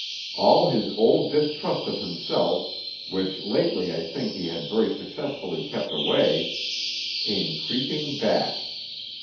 All his old distrust of himself, which lately I think he had very successfully kept away, came creeping back.